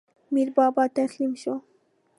میربابا تسلیم شو.